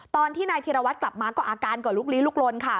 ตอนที่นายธีรวัตรกลับมาก็อาการก็ลุกลี้ลุกลนค่ะ